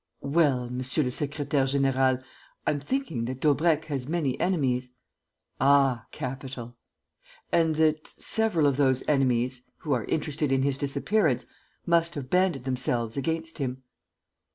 "Well, monsieur le secrétaire; général, I'm thinking that Daubrecq has many enemies." "Ah, capital!" "And that several of those enemies, who are interested in his disappearance, must have banded themselves against him."